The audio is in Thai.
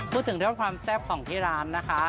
พูดถึงเรื่องความแซ่บของที่ร้านนะคะ